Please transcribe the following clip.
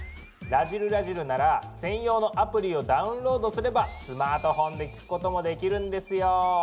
「らじる★らじる」なら専用のアプリをダウンロードすればスマートフォンで聞くこともできるんですよ。